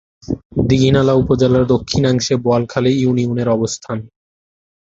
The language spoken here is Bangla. দীঘিনালা উপজেলার দক্ষিণাংশে বোয়ালখালী ইউনিয়নের অবস্থান।